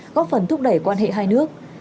góp phần thúc đẩy quan hệ hai nước